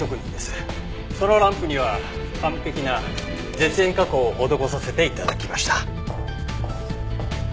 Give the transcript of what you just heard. そのランプには完璧な絶縁加工を施させて頂きました。